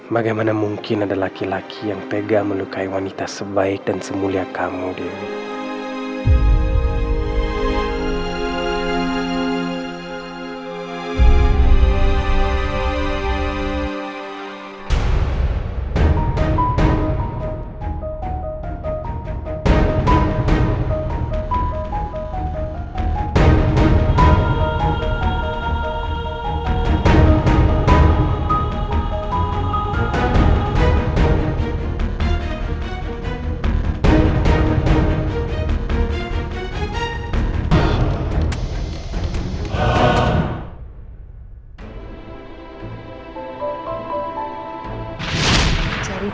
bagaimana mungkin ada laki laki yang tega melukai wanita sebaik dan semulia kamu dewi